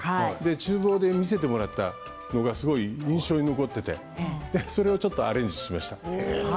ちゅう房で見せてもらったものが印象に残っていてそれをアレンジしました。